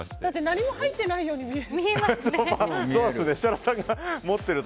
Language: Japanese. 何も入っていないように見える。